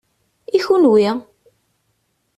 I kunwi?